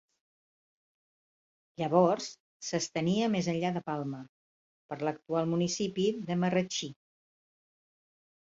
Llavors s'estenia més enllà de Palma, per l'actual municipi de Marratxí.